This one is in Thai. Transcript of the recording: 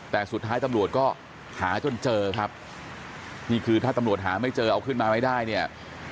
แต่สุดท้ายตำรวจก็หาจนเจอครับนี่คือถ้าตำรวจหาไม่เจอเอาขึ้นมาไม่ได้เนี่ย